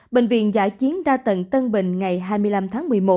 bệnh viện giã chiến đa tầng tân bình ngày hai mươi năm tháng một mươi một